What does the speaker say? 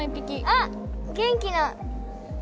あっ元気な。